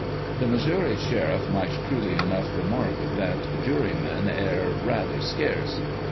The Missouri sheriff might truly enough re mark that "jurymen aer raither scarce."